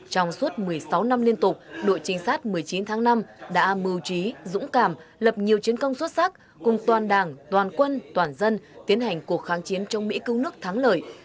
trong suốt một mươi sáu năm liên tục đội trinh sát một mươi chín tháng năm đã mưu trí dũng cảm lập nhiều chiến công xuất sắc cùng toàn đảng toàn quân toàn dân tiến hành cuộc kháng chiến trong mỹ cứu nước thắng lợi